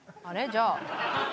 じゃあ。